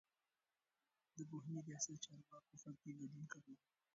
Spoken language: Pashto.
د پوهنې رياست چارواکو په کې ګډون کړی و.